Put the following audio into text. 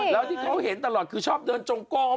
แล้วที่เขาเห็นตลอดคือชอบเดินจงกลม